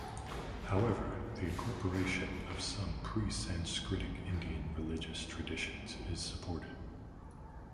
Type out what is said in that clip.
However, the incorporation of some pre-Sanskritic Indian religious traditions is supported.